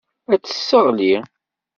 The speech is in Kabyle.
Ad tt-tesseɣli.